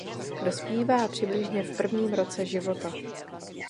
Dospívá přibližně v prvním roce života.